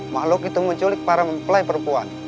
makhluk itu menculik para mempelai perempuan